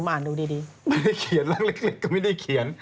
ไม่ได้เขียนเรามันเล็กหรือไม่ได้เขียน